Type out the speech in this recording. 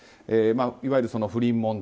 いわゆる不倫問題